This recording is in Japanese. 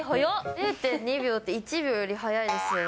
０．２秒って、１秒より速いですよね。